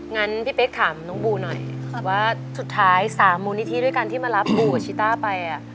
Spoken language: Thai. งั้นพี่เป๊กถามน้องบูหน่อยว่าสุดท้าย๓มูลนิธิด้วยกันที่มารับบูกับชิต้าไป